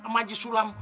amang ji sulam